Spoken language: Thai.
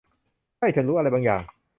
ใช่ ฉันรู้อะไรบางอย่าง